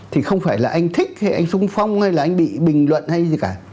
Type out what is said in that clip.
thì không phải là anh thích hay anh sung phong hay là anh bị bình luận hay gì cả